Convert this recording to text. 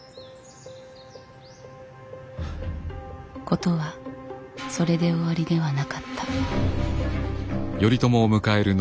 事はそれで終わりではなかった。